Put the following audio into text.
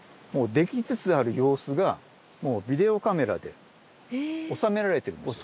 できつつある様子がビデオカメラで収められてるんですよ。